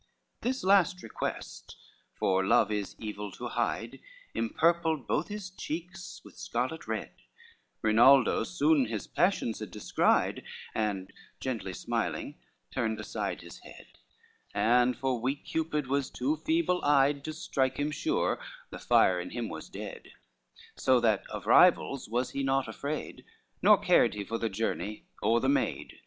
XII This last request, for love is evil to hide, Empurpled both his cheeks with scarlet red; Rinaldo soon his passions had descried, And gently smiling turned aside his head, And, for weak Cupid was too feeble eyed To strike him sure, the fire in him was dead; So that of rivals was he naught afraid, Nor cared he for the journey or the maid.